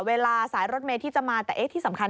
เวลาสายรถเมย์ที่จะมาแต่ที่สำคัญ